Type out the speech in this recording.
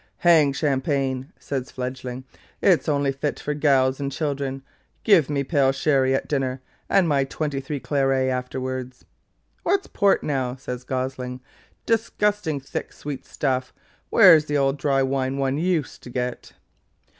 'Hang champagne!' says Fledgling, 'it's only fit for gals and children. Give me pale sherry at dinner, and my twenty three claret afterwards.' 'What's port now?' says Gosling; 'disgusting thick sweet stuff where's the old dry wine one USED to get?'